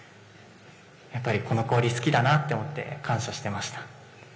やっぱりこの氷好きだなと思って感謝していました。